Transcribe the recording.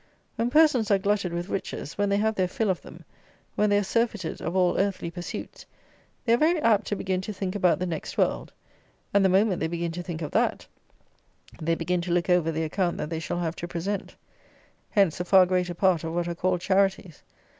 When persons are glutted with riches; when they have their fill of them; when they are surfeited of all earthly pursuits, they are very apt to begin to think about the next world; and, the moment they begin to think of that, they begin to look over the account that they shall have to present. Hence the far greater part of what are called "charities."